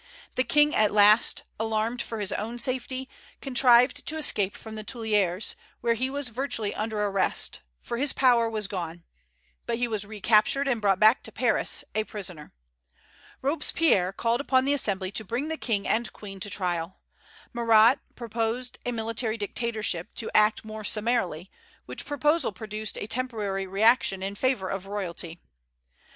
The King, at last, alarmed for his own safety, contrived to escape from the Tuileries, where he was virtually under arrest, for his power was gone; but he was recaptured, and brought back to Paris, a prisoner. Robespierre called upon the Assembly to bring the King and Queen to trial. Marat proposed a military dictatorship, to act more summarily, which proposal produced a temporary reaction in favor of royalty.